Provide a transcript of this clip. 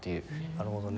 なるほどね。